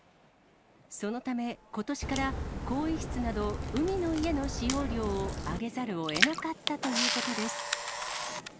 そのため、ことしから更衣室など海の家の使用料を上げざるをえなかったということです。